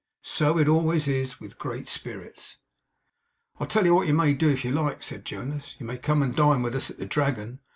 So it always is with great spirits. 'I'll tell you what you may do, if you like,' said Jonas; 'you may come and dine with us at the Dragon.